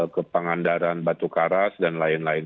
ke pangandaran batu karas dan lain lain